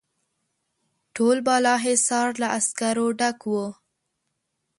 ټول بالاحصار له عسکرو ډک وو.